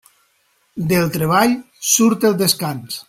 Del treball surt el descans.